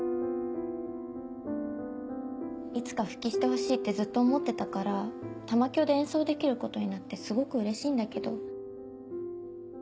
いつか復帰してほしいってずっと思ってたから玉響で演奏できることになってすごくうれしいんだけど。